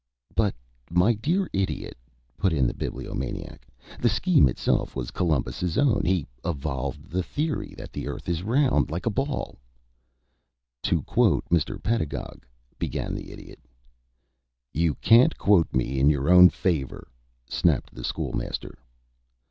"But, my dear Idiot," put in the Bibliomaniac, "the scheme itself was Columbus's own. He evolved the theory that the earth is round like a ball." "To quote Mr. Pedagog " began the Idiot. "You can't quote me in your own favor," snapped the School Master.